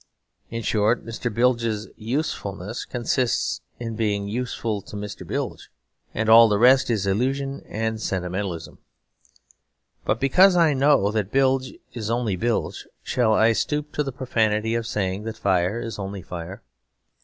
In short Mr. Bilge's usefulness consists in being useful to Mr. Bilge, and all the rest is illusion and sentimentalism. But because I know that Bilge is only Bilge, shall I stoop to the profanity of saying that fire is only fire?